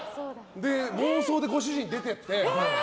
で、妄想でご主人出てって。